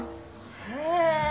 へえ。